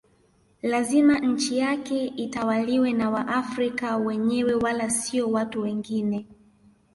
Lazima nchi yake itawaliwe na waafrika wenyewe wala sio watu wengine